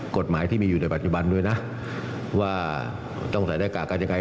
กฎหมายที่มีอยู่ในปัจจุบันด้วยนะว่าต้องใส่หน้ากากกันยังไง